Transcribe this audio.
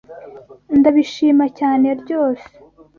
Ndabishima cyane ryose.